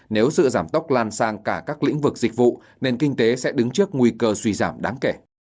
nếu sự giảm tốc lan sang cả các lĩnh vực dịch vụ nền kinh tế sẽ đứng trước nguy cơ suy giảm đáng kể